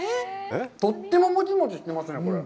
とってももちもちしてますね、これ。